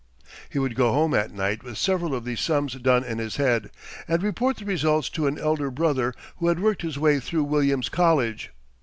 He would go home at night with several of these sums done in his head, and report the results to an elder brother who had worked his way through Williams College.